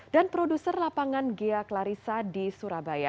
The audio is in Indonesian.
dan produser lapangan gia klarissa di surabaya